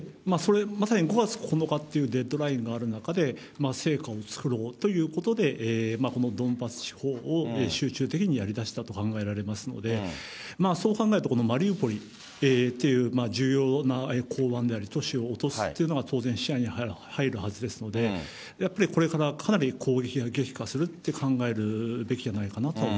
まさに５月９日というデッドラインがある中で、成果を作ろうということで、このドンバス地方を集中的にやりだしたと考えられますので、そう考えると、このマリウポリっていう重要な港湾である都市を落とすっていうのが、当然、視野に入るはずですので、やはりこれからかなり攻撃が激化するって考えるべきじゃないかな